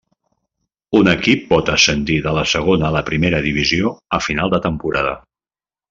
Un equip pot ascendir de la segona a la primera divisió a final de temporada.